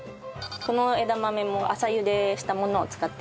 この枝豆も浅ゆでしたものを使っています。